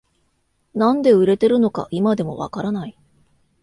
なんで売れてるのか今でもわからない